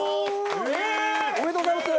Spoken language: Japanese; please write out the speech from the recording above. おめでとうございます！